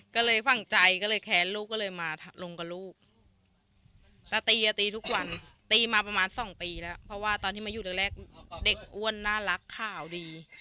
ก็เลยฝั่งใจก็เลยแค้นลูกก็เลยมาลงกับลูกตาตีอะตีทุกวันตีมาประมาณ๒ปีแล้วเพราะว่าตอนที่มาอยู่แรกเด็กอ้วนน่ารักข่าวดี